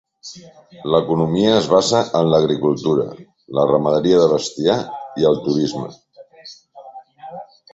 L'economia es basa en l'agricultura, la ramaderia de bestiar i el turisme.